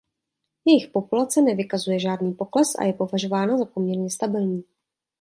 Jejich populace nevykazuje žádný pokles a je považována za poměrně stabilní.